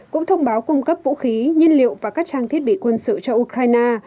cũng thông báo cung cấp vũ khí nhân liệu và các trang thiết bị quân sự cho ukraine